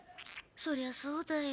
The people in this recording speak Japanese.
そりゃそうだよ。